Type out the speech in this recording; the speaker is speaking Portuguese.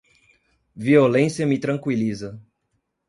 Violência me tranquiliza.